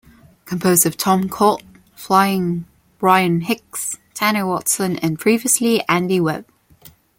Composed of Tom Colt, Flyin' Bryan Hicks, Tanner Watson and previously Andy Webb.